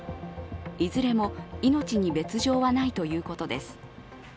いずれも、命に別状はないということです。